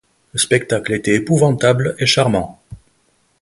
Le spectacle était épouvantable et charmant.